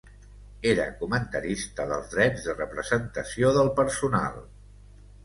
Era comentarista dels drets de representació del personal.